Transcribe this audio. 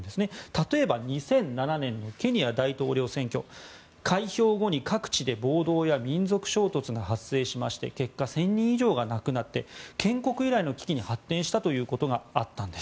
例えば、２００７年のケニア大統領選挙では開票後に各地で暴動や民族衝突が発生しまして結果１０００人以上が亡くなって建国以来の危機に発展したことがありました。